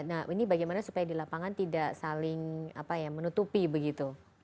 nah ini bagaimana supaya di lapangan tidak saling menutupi begitu